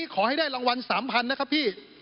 ขอให้ได้รางวัล๓๐๐๐นะครับพี่